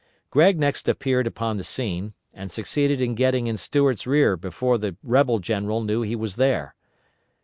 Gregg next appeared upon the scene, and succeeded in getting in Stuart's rear before the rebel general knew he was there.